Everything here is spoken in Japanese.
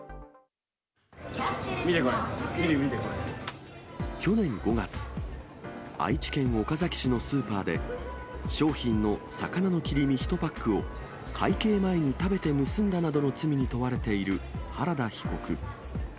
見てこれ、去年５月、愛知県岡崎市のスーパーで、商品の魚の切り身１パックを、会計前に食べて盗んだなどの罪に問われている原田被告。